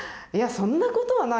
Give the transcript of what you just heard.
そんなことはない